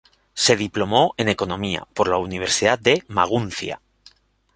Se diplomó en Economía por la Universidad de Maguncia.